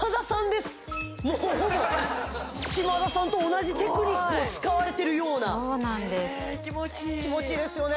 もうほぼ島田さんと同じテクニックを使われてるような気持ちいい気持ちいいですよね